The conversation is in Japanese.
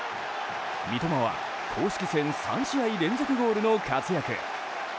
三笘は公式戦３試合連続ゴールの活躍。